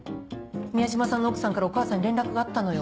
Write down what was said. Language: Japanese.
宮島さんの奥さんからお母さんに連絡があったのよ。